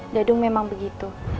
dadung memang begitu